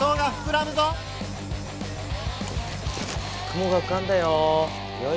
雲がうかんだよ。